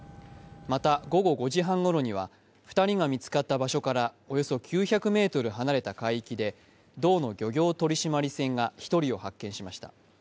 また、午後５時半ごろには、２人が見つかった場所からおよそ９００ｍ離れた海域で道の漁業取締船が１人を発見しました。